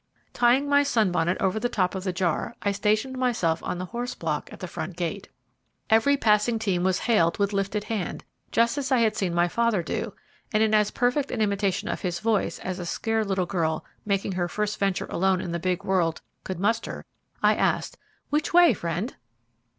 Tying my sunbonnet over the top of the jar, I stationed myself on the horse block at the front gate. Every passing team was hailed with lifted hand, just as I had seen my father do, and in as perfect an imitation of his voice as a scared little girl making her first venture alone in the big world could muster, I asked, "Which way, Friend?"